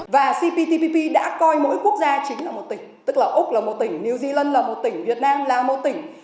và cptpp đã coi mỗi quốc gia chính là một tỉnh tức là úc là một tỉnh new zealand là một tỉnh việt nam là một tỉnh